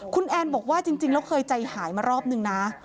คุณแอนภรรยาค่ะบอกว่าจริงแล้วเคยใจหายมารอบหนึ่งนะ